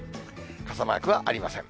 傘マークはありません。